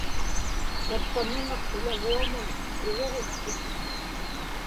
tatpamuŋa qiḷaguamun iriġitchik